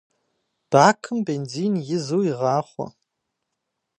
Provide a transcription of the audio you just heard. Бакым бензин изу игъахъуэ.